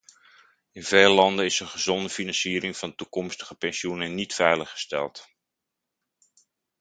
In veel landen is een gezonde financiering van toekomstige pensioenen niet veiliggesteld.